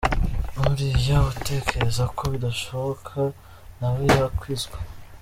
N’uriya utekereza ko bitashoboka na we yakizwa.